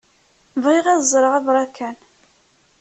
Bɣiɣ ad ẓreɣ abṛakan.